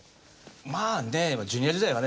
まあねえジュニア時代はね